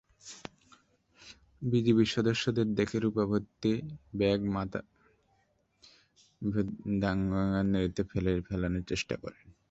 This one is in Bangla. বিজিবির সদস্যদের দেখে রুপাভর্তি ব্যাগ মাথাভাঙ্গা নদীতে ফেলে পালানোর চেষ্টা করেন।